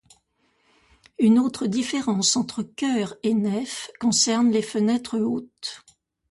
Une autre différence entre chœur et nef concerne les fenêtres hautes.